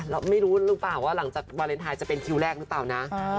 ไม่รู้หรือเปล่าว่าหลังจากวาเลนไทยจะเป็นคิวแรกหรือเปล่านะ